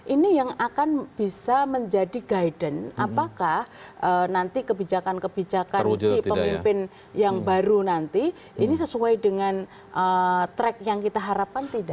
ini yang akan bisa menjadi guidance apakah nanti kebijakan kebijakan pemimpin yang baru nanti ini sesuai dengan track yang kita harapkan tidak